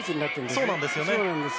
そうなんですね。